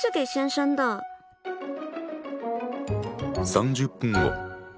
３０分後。